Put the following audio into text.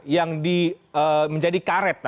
yang menjadi karet